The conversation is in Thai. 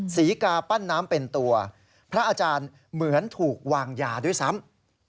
ศรีกาปั้นน้ำเป็นตัวพระอาจารย์เหมือนถูกวางยาด้วยซ้ำ